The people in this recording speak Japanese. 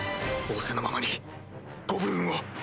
仰せのままにご武運を！